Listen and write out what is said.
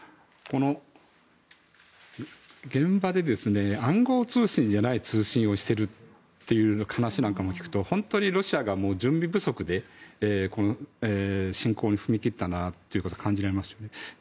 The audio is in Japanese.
現場で暗号通信じゃない通信をしてるという話なんかも聞くと本当にロシアが準備不足で侵攻に踏み切ったなと感じられますよね。